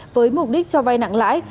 với mục đích cho vai nặng lãi